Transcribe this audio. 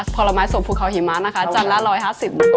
ผลไม้สดภูเขาหิมะนะคะจานละ๑๕๐บาท